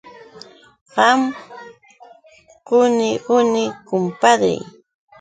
Qam quni quni, kumpadri.